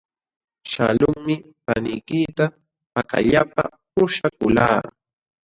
Shaqlunmi paniykita pakallapa puśhakuqlaa.